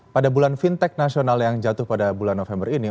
pada bulan fintech nasional yang jatuh pada bulan november ini